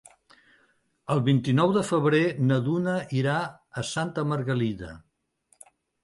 El vint-i-nou de febrer na Duna irà a Santa Margalida.